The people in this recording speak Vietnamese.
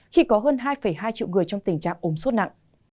khi có hơn hai hai triệu người trong tình trạng ồn sốt nặng